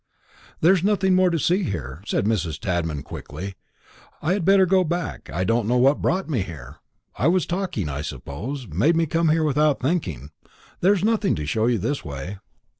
"There's nothing more to see here," said Mrs. Tadman quickly; "I had better go back. I don't know what brought me here; it was talking, I suppose, made me come without thinking. There's nothing to show you this way."